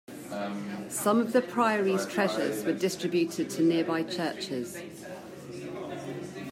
Some of the priory's treasures were distributed to nearby churches.